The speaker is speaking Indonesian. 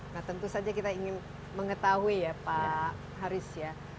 nah tentu saja kita ingin mengetahui ya pak haris ya